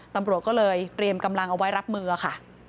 ตำรวจก็เลยเตรียมกำลังเอาไว้รับมือค่ะ